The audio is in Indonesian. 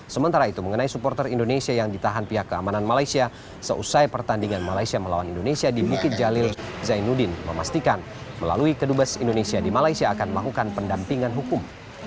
sementara itu mengenai supporter indonesia yang ditahan pihak keamanan malaysia seusai pertandingan malaysia melawan indonesia di bukit jalil zainuddin memastikan melalui kedubes indonesia di malaysia akan melakukan pendampingan hukum